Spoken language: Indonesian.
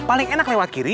paling enak lewat kiri